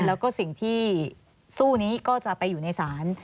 แล้วก็สิ่งที่สู้นี้ก็จะไปอยู่ในศาล